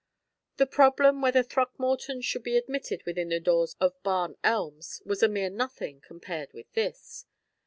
The problem whether Throckmorton should be admitted within the doors of Barn Elms was a mere nothing compared with this.